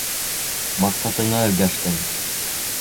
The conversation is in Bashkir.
Маҡсатыңа өлгәштең!